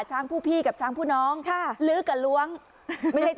ช้างผู้พี่กับช้างผู้น้องค่ะลื้อกับล้วงไม่ใช่